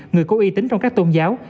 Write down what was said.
người có uy tín trong các tôn giáo